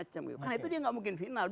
karena itu dia gak mungkin final